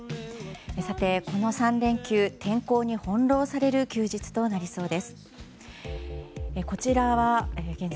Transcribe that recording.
さて、この３連休は天候に翻弄される休日となりそうです。